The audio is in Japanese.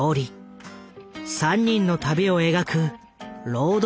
３人の旅を描くロード